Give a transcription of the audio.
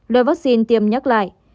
loại vắc xin tiêm nhắc lại